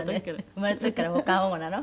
「生まれた時からもう過保護なの？」